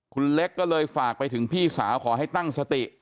คุณเล็กก็เลยฝากไปถึงพี่สาวขอให้ตั้งสติ